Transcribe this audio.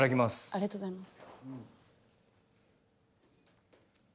ありがとうございます。